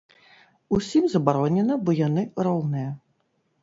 Усім забаронена, бо яны роўныя.